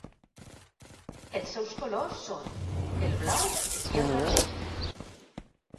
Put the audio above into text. Els seus colors són el blau i el vermell.